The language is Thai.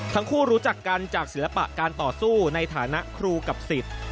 ทั้งคู่รู้จักกันจากศิลปะการต่อสู้ในฐานะครูกับศิษย์